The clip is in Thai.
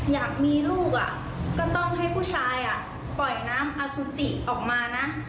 อยากมีลูกก็ต้องให้ผู้ชายปล่อยน้ำอสุจิออกมานะ